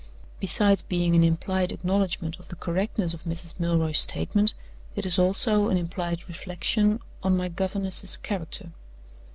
Besides being an implied acknowledgment of the correctness of Mrs. Milroy's statement, it is also an implied reflection on my governess's character.